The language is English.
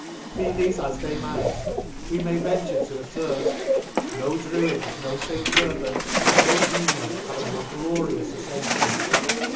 *— Be thefe as they might, we may venture to affert, no druid, no St Herbert, no genius, had a more glorious afcenfion.